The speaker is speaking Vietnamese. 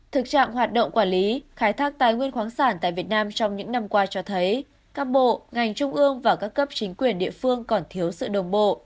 thực trạng hoạt động quản lý khai thác tài nguyên khoáng sản tại việt nam trong những năm qua cho thấy các bộ ngành trung ương và các cấp chính quyền địa phương còn thiếu sự đồng bộ